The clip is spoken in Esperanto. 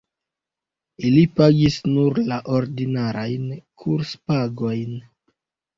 Ili pagis nur la ordinarajn kurspagojn.